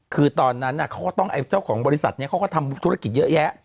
คือตอนนั้นเขาก็ต้องไอ้เจ้าของบริษัทนี้เขาก็ทำธุรกิจเยอะแยะ